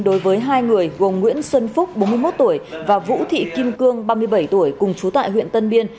đối với hai người gồm nguyễn xuân phúc bốn mươi một tuổi và vũ thị kim cương ba mươi bảy tuổi cùng chú tại huyện tân biên